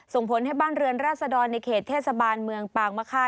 ส่งผลให้บ้านเรือนราษดรในเขตเทศบาลเมืองปางมะค่า